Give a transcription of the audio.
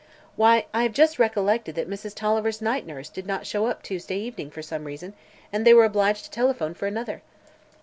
"Why, I have just recollected that Mrs. Tolliver's night nurse did not show up Tuesday evening, for some reason, and they were obliged to telephone for another."